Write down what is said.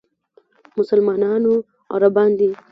مسلمانانو عربان دي.